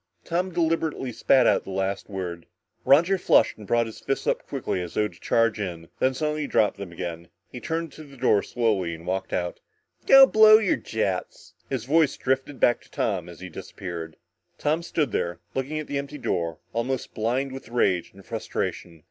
Tom deliberately spat out the last word. Roger flushed and brought his fists up quickly as though to charge in, then suddenly dropped them again. He turned to the door and slowly walked out. "Go blow your jets," his voice drifted back to Tom as he disappeared. Tom stood there, looking at the empty door, almost blind with rage and frustration.